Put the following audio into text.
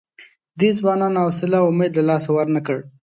دې ځوانانو حوصله او امید له لاسه ورنه کړ.